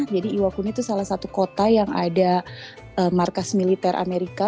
jadi iwakuni itu salah satu kota yang ada markas militer amerika